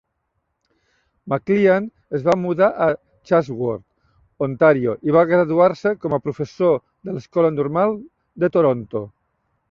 Maclean es va mudar a Chatsworth, Ontàrio i va graduar-se com a professor de l'escola normal de Toronto.